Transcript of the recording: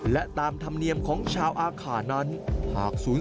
ซึ่งภายในงานเขาก็จะมีการรับประทานอาหารร่วมกัน